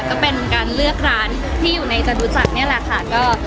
ก็เป็นการเลือกร้านที่อยู่ในจตุจักรนี่แหละค่ะ